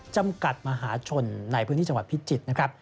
จำกัดมหาชนในพื้นที่จังหวัดพิจิตรนะครับ